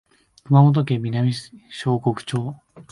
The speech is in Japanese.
熊本県南小国町